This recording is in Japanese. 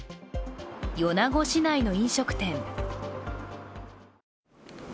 米子市内の飲食店。